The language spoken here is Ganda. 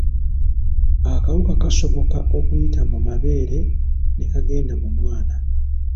Akawuka kasoboka okuyita mu mabeere ne kagenda mu mwana.